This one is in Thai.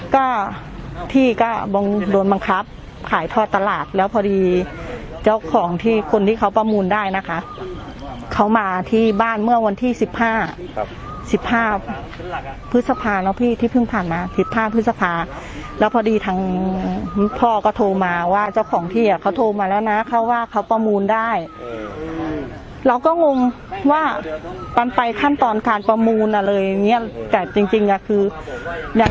ก็ที่ก็โดนบังคับขายทอดตลาดแล้วพอดีเจ้าของที่คนที่เขาประมูลได้นะคะเขามาที่บ้านเมื่อวันที่๑๕พฤษภาพี่ที่เพิ่งผ่านมา๑๕พฤษภาพี่ที่เพิ่งผ่านมา๑๕พฤษภาพี่ที่เพิ่งผ่านมา๑๕พฤษภาพี่ที่เพิ่งผ่านมา๑๕พฤษภาพี่ที่เพิ่งผ่านมา๑๕พฤษภาพี่ที่เพิ่งผ่านมา๑๕พฤษภาพี่ที่เพิ่ง